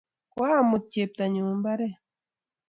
koamut cheptonyu mbaret